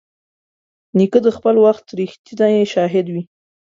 نیکه د خپل وخت رښتینی شاهد وي.